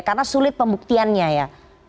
karena sulit pembuktiannya ya